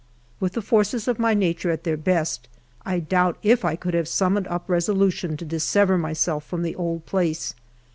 With the forces of my nature at their best, I doubt if I could have summoned up resolution to dissever myself from the old place.